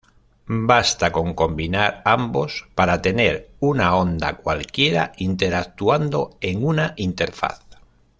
Basta con combinar ambos para tener una onda cualquiera interactuando en una interfaz.